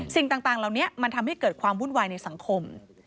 สิ่งต่างเหล่านี้มันทำให้เกิดความวุ่นวายในสังคม